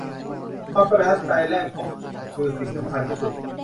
ความประทับใจแรกพบคือสิ่งสำคัญที่สุด